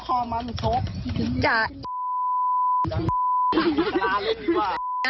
โดยหน้าด้วย